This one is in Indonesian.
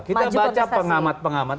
kita baca pengamat pengamat